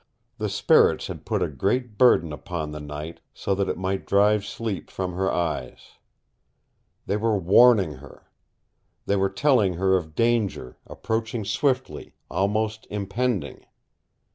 The spirits had put a great burden upon the night so that it might drive sleep from her eyes. They were warning her. They were telling her of danger, approaching swiftly, almost impending.